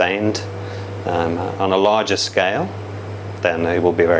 jadi jika paten itu dipertahankan di skala yang lebih besar